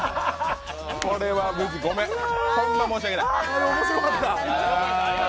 これはごめん、ホント申し訳ない。